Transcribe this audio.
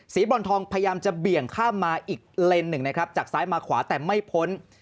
บอลทองพยายามจะเบี่ยงข้ามมาอีกเลนส์หนึ่งนะครับจากซ้ายมาขวาแต่ไม่พ้น